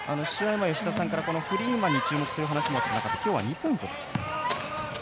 前、吉田さんからフリーマンに注目というお話がありましたが今日は２ポイントです。